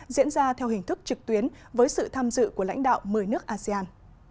diễn ra theo hình thức trực tuyến với sự tham dự của lãnh đạo một mươi nước asean